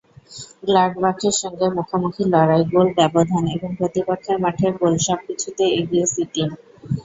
গ্লাডবাখের সঙ্গে মুখোমুখি লড়াই, গোল ব্যবধান এবং প্রতিপক্ষের মাঠে গোল—সবকিছুতেই এগিয়ে সিটি।